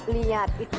lihat itu itu